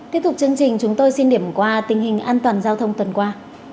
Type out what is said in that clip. tiếp tục chương trình chúng tôi xin điểm qua tình hình an toàn giao thông tuần qua